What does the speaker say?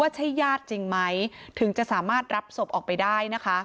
ใช่ญาติจริงไหมถึงจะสามารถรับศพออกไปได้นะคะ